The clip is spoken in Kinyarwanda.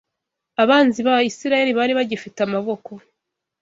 Abanzi ba Isirayeli bari bagifite amaboko.